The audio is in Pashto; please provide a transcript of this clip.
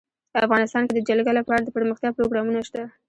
افغانستان کې د جلګه لپاره دپرمختیا پروګرامونه شته.